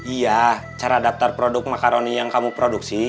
iya cara daftar produk makaroni yang kamu produksi